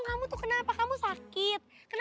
kamu tuh kenapa kamu sakit kenapa coba